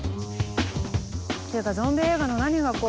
っていうかゾンビ映画の何が怖いの？